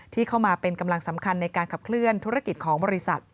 ที่เข้ามาเป็นกำลังสำคัญในการขับเคลื่อนธุรกิจของบริษัท